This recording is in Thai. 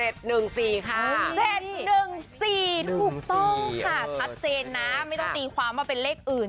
ถูกต้องค่ะชัดเจนนะไม่ต้องตีความว่าเป็นเลขอื่น